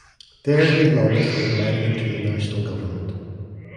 There he lobbied for rebellion to the National Government.